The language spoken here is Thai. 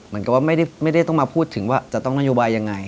เหมือนกับว่าไม่ได้ต้องมาพูดถึงว่าจะต้องนโยบายยังไง